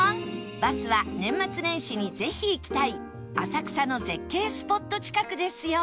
バスは年末年始にぜひ行きたい浅草の絶景スポット近くですよ